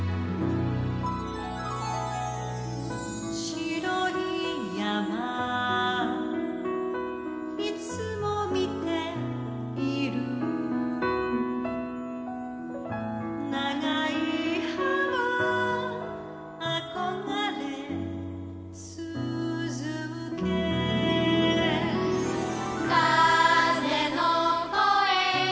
しろい山いつもみているながい浜あこがれつづけかぜの声